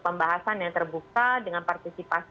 pembahasan yang terbuka dengan partisipasi